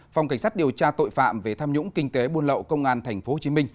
phòng cảnh sát điều tra tội phạm về tham nhũng kinh tế buôn lậu công an tp hcm